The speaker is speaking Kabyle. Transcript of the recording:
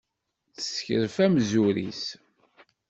Tessekref amzur-is.